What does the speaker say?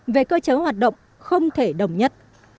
về cơ chế hoạt động không thể đồng nhất